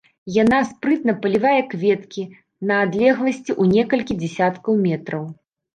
Яна спрытна палівае кветкі на адлегласці ў некалькі дзесяткаў метраў.